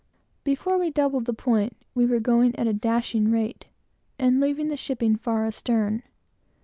Before we doubled the point, we were going at a dashing rate, and leaving the shipping far astern.